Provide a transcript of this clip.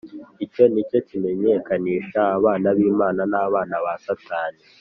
Icyo ni cyo kimenyekanisha abana b’Imana n’abana ba Satani.